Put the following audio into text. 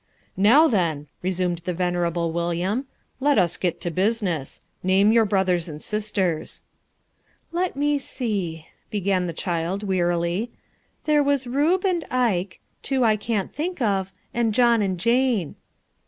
"Now then," resumed the venerable William, "let us get to business. Name your brothers and sisters." "Let me see," began the child wearily; "there was Rube and Ike, two I can't think of, and John and Jane."